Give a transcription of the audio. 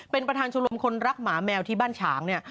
เป็นประธานชมรมคนรักหมาแมวที่บ้านฉางเนี่ย